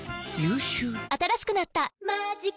新しくなった「マジカ」